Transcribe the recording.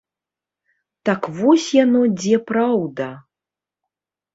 Так вось яно дзе праўда?